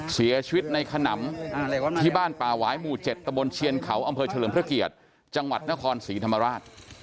เสียชีวิตในขนำที่บ้านป่าหวายหมู่๗ตะบนเชียนเขาอำเภอเฉลิมพระเกียรติจังหวัดนครศรีธรรมราช